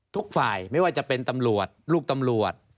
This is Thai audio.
ทุกฝ่ายไม่ว่าจะเป็นตำรวจลูกตำรวจ